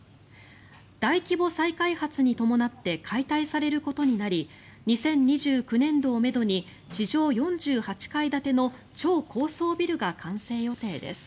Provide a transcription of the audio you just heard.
大規模再開発に伴って解体されることになり２０２９年度をめどに地上４８階建ての超高層ビルが完成予定です。